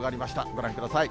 ご覧ください。